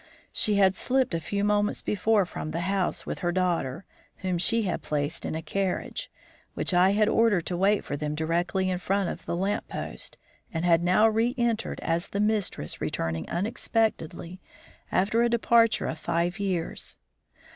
She had slipped a few moments before from the house with her daughter, whom she had placed in a carriage, which I had ordered to wait for them directly in front of the lamppost, and had now re entered as the mistress returning unexpectedly after a departure of five years.